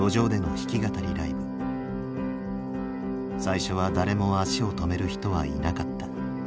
最初は誰も足を止める人はいなかった。